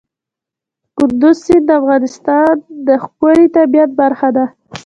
کندز سیند د افغانستان د ښکلي طبیعت برخه ده.